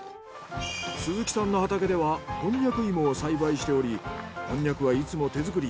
鈴木さんの畑ではコンニャク芋を栽培しておりコンニャクはいつも手作り。